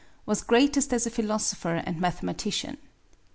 Was greatest as a philosopher and mathematician.